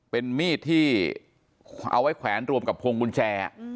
เป็นมีดที่เอาไว้แขวนรวมกับพวงกุญแจ